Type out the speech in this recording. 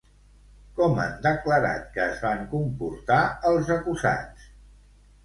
Com han declarat que es van comportar els acusats?